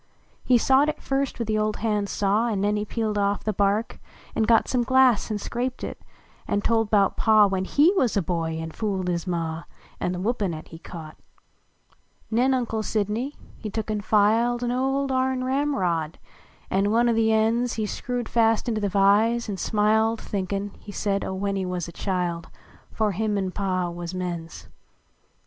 He sawed it first with the old hand saw; An ncn he peeled off the hark, an got Some glass an scraped it ; an tld bout Pa, When lie wuz a hoy an fooled his Ma, An the whippin at he caught. 71 THE SQUIRTGUN UNCLE MAKED ME Nen Uncle Sidney, he took an filed A old arn ramrod ; an one o the ends He screwed fast into the vise ; an smiled, Thinkin , he said, o when he wuz a child, Fore him an Pa wuz mens.